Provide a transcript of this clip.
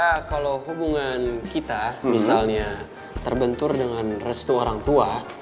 ya kalau hubungan kita misalnya terbentur dengan restu orang tua